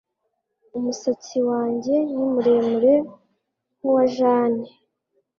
Umusatsi wanjye ni muremure nkuwa Jane